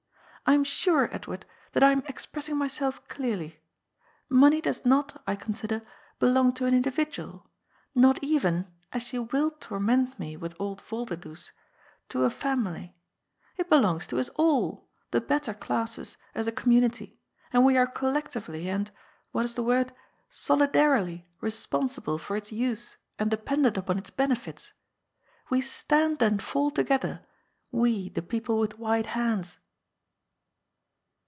I am sure, Edward, that I am ex pressing myself clearly. Money does not, I consider, belong to an individual, not even, as you will torment me with old Volderdoes, to a family. It belongs to us all, the better classes, as a community, and we are collectively and — what is the word ?— solidarily responsible for its use and depend 220 GOD'S POOL. ent npon its benefits. We stand and fall together, we, the people with white hands.